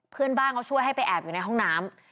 เพื่อนบ้านเขาช่วยให้ไปแอบอยู่ในห้องน้ำ